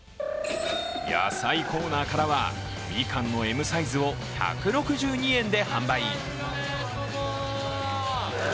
野菜コーナーからはみかんのＭサイズを１６２円で販売。